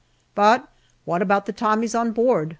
But what about the Tommies on board